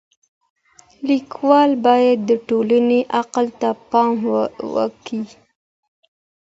ليکوال بايد د ټولني عقل ته پام وکړي.